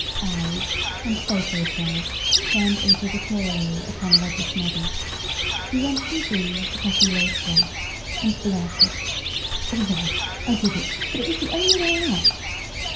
Eyes and photocells turned inquisitorially upon Roger Snedden. He went from green to Puffyloaf white and blurted: "All right, I did it, but it was the only way out!